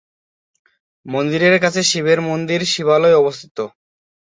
মন্দিরের কাছে শিবের মন্দির শিবালয় অবস্থিত।